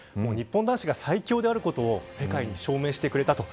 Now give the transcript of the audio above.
日本男子が最強であることを世界に証明してくれた。